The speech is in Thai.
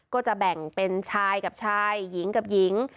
ก็จะแบ่งเป็นชายกับชายหญิงกับหญิง